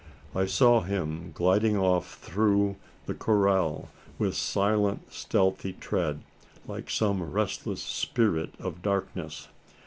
I saw him gliding off through, the corral, with silent stealthy tread, like some restless spirit of darkness.